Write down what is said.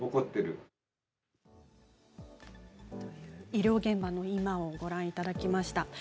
医療現場の今をご覧いただきました。